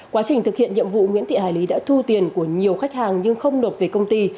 quá trình thực hiện nhiệm vụ nguyễn thị hải lý đã thu tiền của nhiều khách hàng nhưng không nộp về công ty